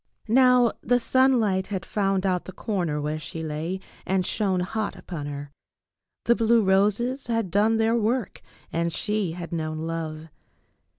Now the sunlight had found out the corner where she lay and shone hot upon her. The blue roses had done their work and she had known love.